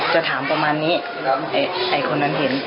จะถามประมาณนี้แล้วไอ้คนนั้นเห็น